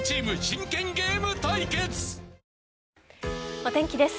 お天気です。